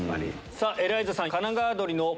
さぁエライザさん